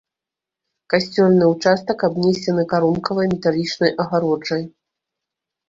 Касцёльны ўчастак абнесены карункавай металічнай агароджай.